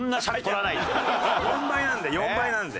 ４倍なんで４倍なんで。